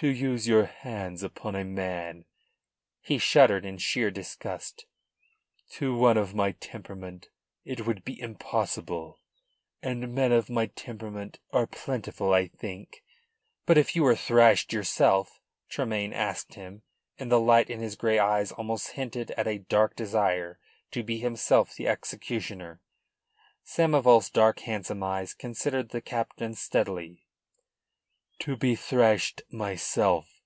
"To use your hands upon a man!" He shuddered in sheer disgust. "To one of my temperament it would be impossible, and men of my temperament are plentiful, I think." "But if you were thrashed yourself?" Tremayne asked him, and the light in his grey eyes almost hinted at a dark desire to be himself the executioner. Samoval's dark, handsome eyes considered the captain steadily. "To be thrashed myself?"